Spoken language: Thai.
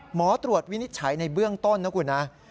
หมอตรวจวินิจฉัยในเบื้องต้นนะคุณนะ